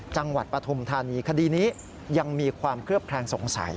จังหวัดปฐมธานีคดีนี้ยังมีความเคลือบแพลงสงสัย